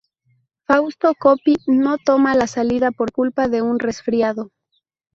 Fausto Coppi no toma la salida por culpa de un resfriado.